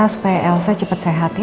supaya elsa cepat sehat ya